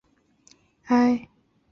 邦奥埃。